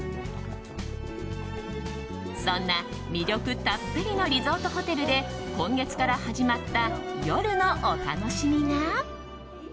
そんな魅力たっぷりのリゾートホテルで今月から始まった夜のお楽しみが。